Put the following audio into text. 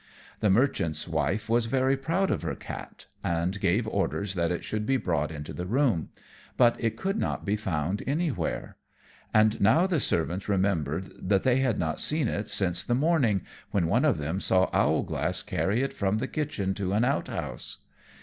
The Merchant's wife was very proud of her cat, and gave orders that it should be brought into the room; but it could not be found anywhere; and now the servants remembered that they had not seen it since the morning, when one of them saw Owlglass carry it from the kitchen to an outhouse.